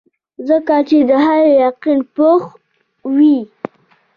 ځکه چې د هغه يقين پوخ وي -